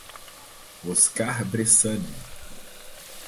Oscar Bressane